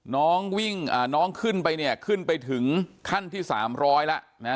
น้องวิ่งอ่าน้องขึ้นไปเนี้ยขึ้นไปถึงขั้นที่สามร้อยแล้วนะฮะ